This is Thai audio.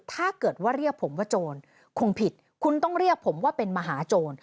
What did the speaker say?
ถ้าเกิดว่าเรียกผมว่าโจรคงผิดคุณต้องเรียกผมว่าเป็นมหาโจร